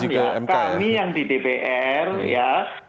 ya kami yang di dpr ya